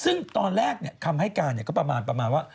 ซึ่งตอนแรกคำให้การก็ประมาณว่า